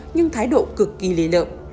nhưng thái độ cực kỳ lý lợm